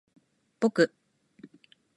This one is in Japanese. ぼく